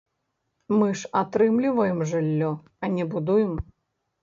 Мы ж атрымліваем жыллё, а не будуем.